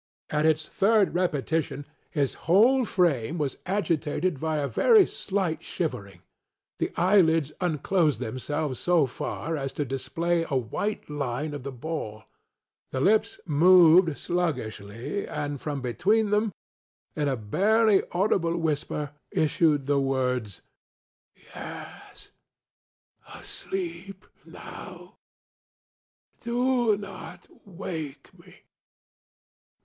At its third repetition, his whole frame was agitated by a very slight shivering; the eyelids unclosed themselves so far as to display a white line of the ball; the lips moved sluggishly, and from between them, in a barely audible whisper, issued the words: ŌĆ£Yes; ŌĆöasleep now. Do not wake me!